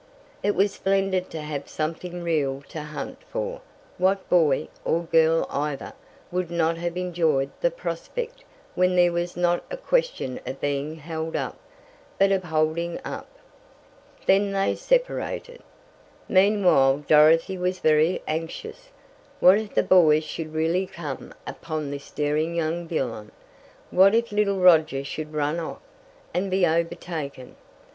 It was splendid to have something real to hunt for what boy, or girl either, would not have enjoyed the prospect when there was not a question of being held up, but of holding up? Then they separated. Meanwhile Dorothy was very anxious. What if the boys should really come upon this daring young villian? What if little Roger should run off, and be overtaken?